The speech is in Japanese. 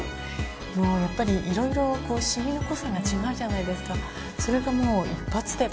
もうやっぱりいろいろシミの濃さが違うじゃないですか。